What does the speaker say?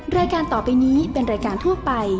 รายการต่อไปนี้เป็นรายการทั่วไป